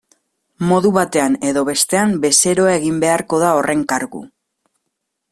Modu batean edo bestean, bezeroa egin beharko da horren kargu.